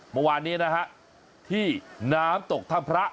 เมื่อวานนี้นะครับที่น้ำตกท่ามพระ